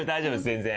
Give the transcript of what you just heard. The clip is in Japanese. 全然。